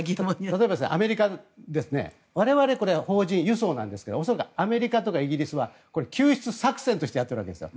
例えばアメリカは我々は邦人輸送なんですが恐らくアメリカとかイギリスは救出作戦としてやっているわけですよ。